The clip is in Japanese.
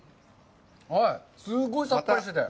すごいさっぱりしてて。